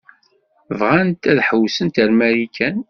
Bɣant ad hewwsent ar Marikan.